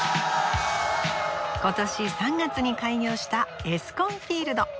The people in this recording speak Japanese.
今年３月に開業したエスコンフィールド。